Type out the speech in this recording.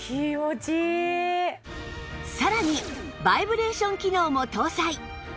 さらにバイブレーション機能も搭載